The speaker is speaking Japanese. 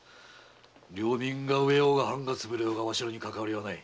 領民が飢えようが藩が潰れようがわしらにかかわりはない。